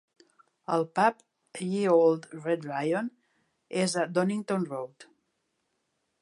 El pub Ye Olde Red Lion és a Donington Road.